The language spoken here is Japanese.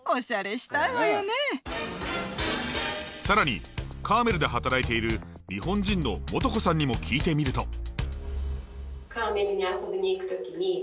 更にカーメルで働いている日本人の才子さんにも聞いてみると。